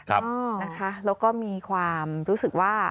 แล้วก็มีความรู้สึกว่า